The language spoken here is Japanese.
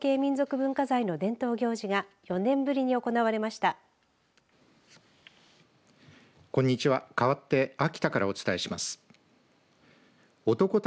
文化財の伝統行事が４年ぶりに行われました。